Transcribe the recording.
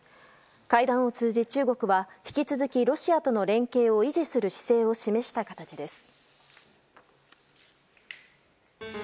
会談を通じ中国は引き続きロシアとの連携を維持する姿勢を示した形です。